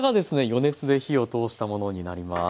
余熱で火を通したものになります。